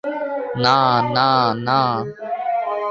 না, না, না।